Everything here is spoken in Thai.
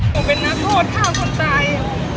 ผมเป็นนักโทษข้าวคนตาย